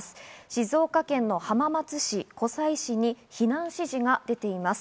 静岡県の浜松市、湖西市に避難指示が出ています。